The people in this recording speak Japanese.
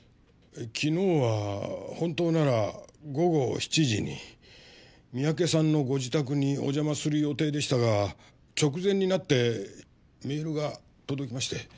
昨日は本当なら午後７時に三宅さんのご自宅にお邪魔する予定でしたが直前になってメールが届きまして。